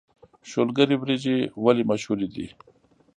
شولګرې وريجې ولې مشهورې دي؟